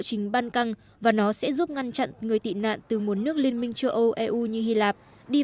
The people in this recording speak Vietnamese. trình ban căng và nó sẽ giúp ngăn chặn người tị nạn từ một nước liên minh châu âu eu như hy lạp đi